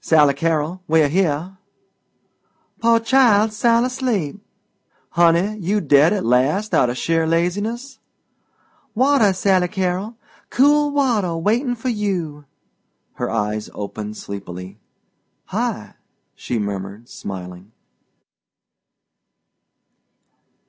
"Sally Carrol, we're here!" "Poor chile's soun' asleep." "Honey, you dead at last outa sheer laziness?" "Water, Sally Carrol! Cool water waitin' for you!" Her eyes opened sleepily. "Hi!" she murmured, smiling.